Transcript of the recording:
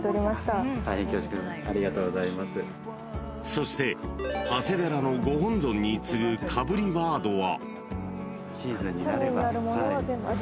［そして長谷寺のご本尊に次ぐかぶりワードは？］